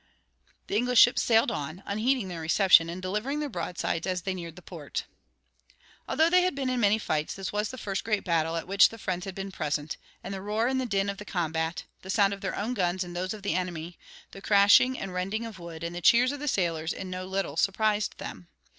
The English ships sailed on, unheeding their reception, and delivering their broadsides as they neared the port. Although they had been in many fights, this was the first great battle at which the friends had been present; and the roar and din of the combat, the sound of their own guns and of those of the enemy, the crash and rending of wood, and the cheers of the sailors in no little surprised them.